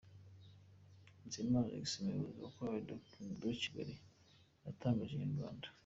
Nizeyimana Alex umuyobozi wa Chorale de Kigali yatangarije Inyarwanda.